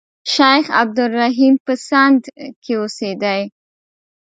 شیخ عبدالرحیم په سند کې اوسېدی.